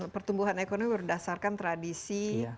pertumbuhan ekonomi berdasarkan tradisi